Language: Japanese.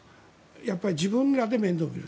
やっぱり自分らで面倒を見る。